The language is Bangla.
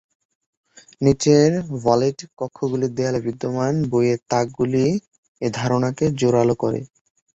নিচের ভল্টেড কক্ষগুলির দেয়ালে বিদ্যমান বইয়ের তাকগুলি এ ধারণাকে জোরালো করে।